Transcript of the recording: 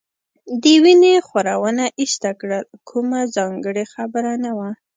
د وینې خورونه ایسته کړل، کومه ځانګړې خبره نه وه.